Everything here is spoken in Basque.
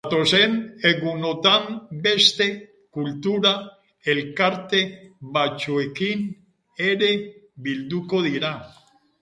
Datozen egunotan beste kultura elkarte batzuekin ere bilduko dira.